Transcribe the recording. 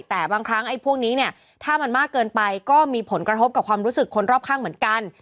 แต่บางครั้งไอ้พวกนี้เนี่ยถ้ามันมากเกินไปก็มีผลกระทบกับความรู้สึกคนรอบข้างเหมือนกัน